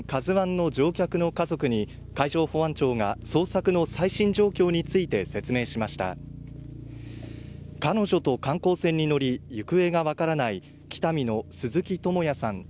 ＫＡＺＵ１の乗客の家族に海上保安庁が捜索の最新状況について説明しました彼女と観光船に乗り行方が分からない北見の鈴木智也さん